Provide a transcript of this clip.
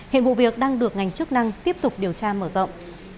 hiện vụ việc đang được ngành chức năng tiếp tục điều tra mở rộng